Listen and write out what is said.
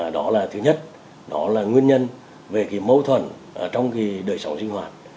đó là thứ nhất đó là nguyên nhân về mâu thuẫn trong đời sống sinh hoạt